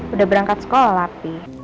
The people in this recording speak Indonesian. udah berangkat sekolah lah